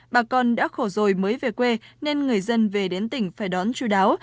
bà con đã khổ rồi mới về quê nên người dân về đến tỉnh phải đón chú đáo